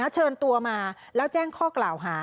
เชิญตัวมาแล้วแจ้งข้อกล่าวหา